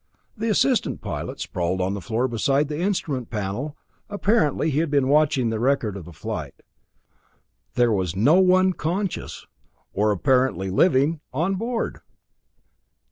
The assistant pilot sprawled on the floor beside the instrument panel apparently he had been watching the record of the flight. There was no one conscious or apparently living on board!